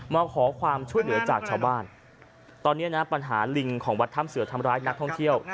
มาขอความช่วยเหลือจากชาวบ้านตอนนี้นะปัญหาลิงของวัดถ้ำเสือทำร้ายนักท่องเที่ยว